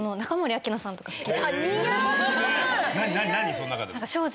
その中でも。